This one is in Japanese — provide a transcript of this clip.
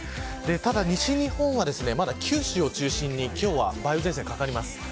ただ、西日本はまだ九州を中心に梅雨前線がかかります。